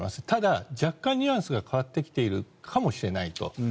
ただ若干ニュアンスが変わってきているかもしれないと。